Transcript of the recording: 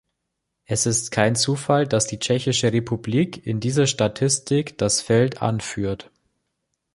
Es ist kein Zufall, dass die Tschechische Republik in dieser Statistik das Feld anführt.